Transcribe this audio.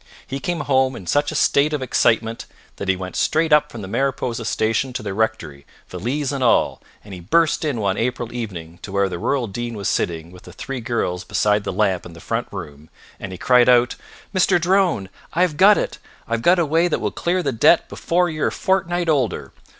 He came home in such a state of excitement that he went straight up from the Mariposa station to the rectory, valise and all, and he burst in one April evening to where the Rural Dean was sitting with the three girls beside the lamp in the front room, and he cried out: "Mr. Drone, I've got it, I've got a way that will clear the debt before you're a fortnight older.